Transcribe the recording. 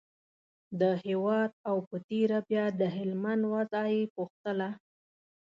د هېواد او په تېره بیا د هلمند وضعه یې پوښتله.